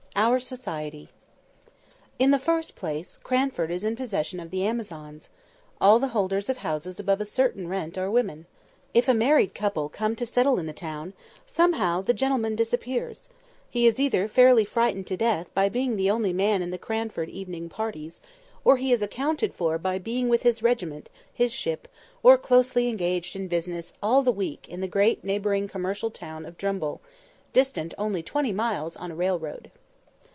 OUR SOCIETY IN the first place, Cranford is in possession of the Amazons; all the holders of houses above a certain rent are women. If a married couple come to settle in the town, somehow the gentleman disappears; he is either fairly frightened to death by being the only man in the Cranford evening parties, or he is accounted for by being with his regiment, his ship, or closely engaged in business all the week in the great neighbouring commercial town of Drumble, distant only twenty miles on a railroad.